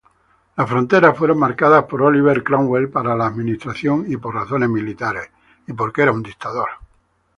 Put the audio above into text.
Las fronteras fueron marcadas por Oliver Cromwell para la administración y por razones militares.